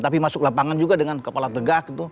tapi masuk lapangan juga dengan kepala tegak gitu